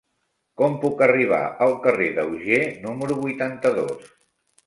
Com puc arribar al carrer d'Auger número vuitanta-dos?